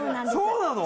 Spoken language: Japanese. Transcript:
そうなの？